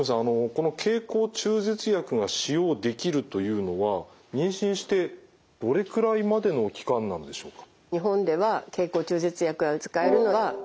この経口中絶薬が使用できるというのは妊娠してどれくらいまでの期間なんでしょうか？